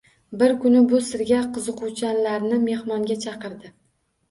Bir kuni bu sirga qiziquvchilarni mehmonga chaqirdi